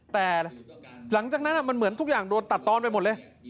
แต่หลังจากนั้นมันเหมือนทุกอย่างโดนตัดตอนไปหมดเลย